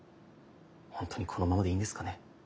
本当にこのままでいいんですかね。